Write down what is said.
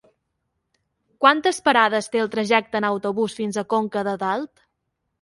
Quantes parades té el trajecte en autobús fins a Conca de Dalt?